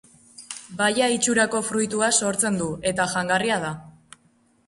Baia itxurako fruitua sortzen du eta jangarria da.